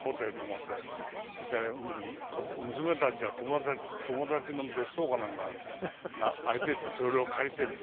で娘たちは友達の別荘かなんかが空いていてそれを借りているのね。